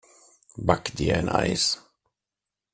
Back dir ein Eis!